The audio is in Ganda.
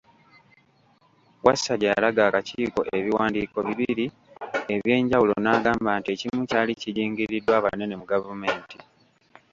Wasajja yalaga akakiiko ebiwandiiko bibiri ebyenjawulo n'agamba nti ekimu kyali kigingiriddwa abanene mu gavumenti.